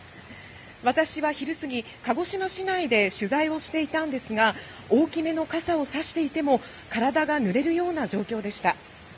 私は昼過ぎ、鹿児島市内で取材をしていたんですが大きめの傘をさしていても体がぬれるような状況でした。